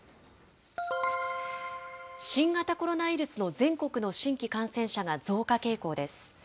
新型コロナウイルスの全国の新規感染者が増加傾向です。